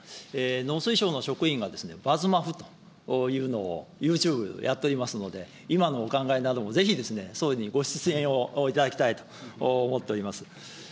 農水省の職員がバズマフというのをユーチューブでやっておりますので、今のお考えなどもぜひ、総理にをいただきたいと思っております。